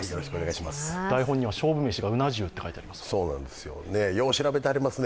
台本には勝負飯がうな重って書いてあります。